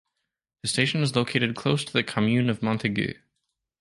The station is located close to the commune of Montaigu.